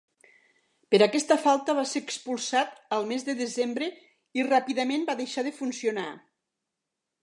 Per aquesta falta va ser expulsat el mes de desembre i ràpidament va deixar de funcionar.